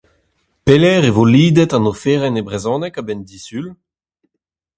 Pelec'h e vo lidet an oferenn e brezhoneg a-benn Disul ?